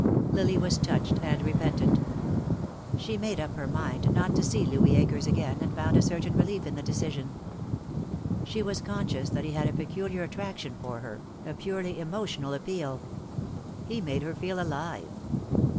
Lily was touched and repentant. She made up her mind not to see Louis Akers again, and found a certain relief in the decision. She was conscious that he had a peculiar attraction for her, a purely emotional appeal. He made her feel alive.